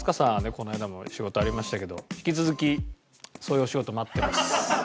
この間も仕事ありましたけど引き続きそういうお仕事待ってます。